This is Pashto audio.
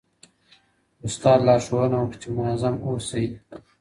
استاد لارښوونه وکړه چي منظم اوسئ.